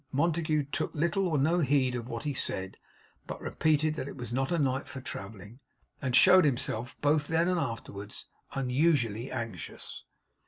Montague took little or no heed of what he said, but repeated that it was not a night for travelling, and showed himself, both then and afterwards, unusually anxious.